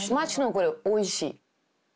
これ「おいしい」。